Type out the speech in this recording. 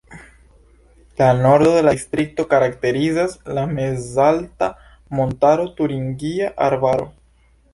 La nordon de la distrikto karakterizas la mezalta montaro Turingia Arbaro.